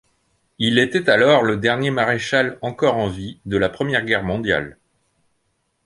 Il était alors le dernier maréchal encore en vie de la Première Guerre mondiale.